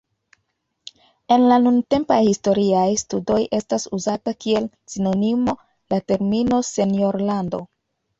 En la nuntempaj historiaj studoj estas uzata kiel sinonimo la termino "senjorlando".